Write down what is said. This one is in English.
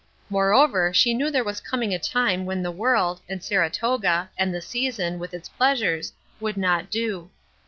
Moreover, she knew there was coming a time when the world, and Saratoga, and the season, with its pleasures, would not do.